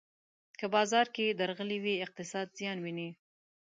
که په بازار کې درغلي وي، اقتصاد زیان ویني.